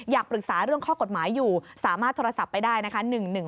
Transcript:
อยากปรึกษาเรื่องข้อกฎหมายอยู่สามารถโทรศัพท์ไปได้นะคะ